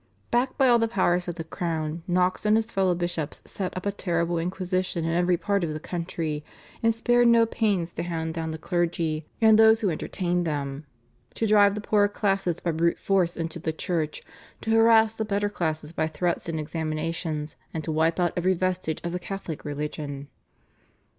Backed by all the powers of the crown, Knox and his fellow bishops set up a terrible inquisition in every part of the country, and spared no pains to hound down the clergy and those who entertained them, to drive the poorer classes by brute force into the church, to harass the better classes by threats and examinations, and to wipe out every vestige of the Catholic religion.